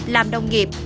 làm đồng nghiệp